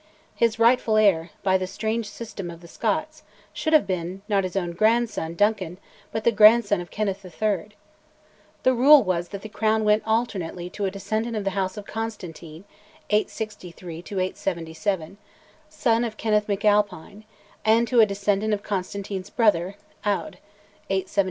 His rightful heir, by the strange system of the Scots, should have been, not his own grandson, Duncan, but the grandson of Kenneth III. The rule was that the crown went alternately to a descendant of the House of Constantine (863 877), son of Kenneth MacAlpine, and to a descendant of Constantine's brother, Aodh (877 888).